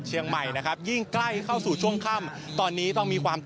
เชิญค่ะ